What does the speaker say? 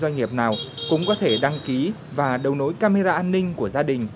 nào cũng có thể đăng ký và đấu nối camera an ninh của gia đình